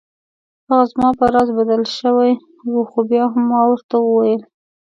هغه زما په راز بدل شوی و خو بیا هم ما ورته وویل.